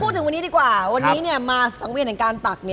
พูดถึงวันนี้ดีกว่าวันนี้มาสังเวียนแห่งการตัก